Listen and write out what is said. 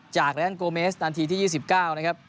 แนนโกเมสนาทีที่๒๙นะครับ